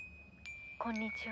「こんにちは。